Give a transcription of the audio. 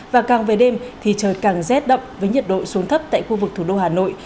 và càng về đêm thì trời càng rét đậm với nhiệt độ xuống thấp tại khu vực thủ đô hà nội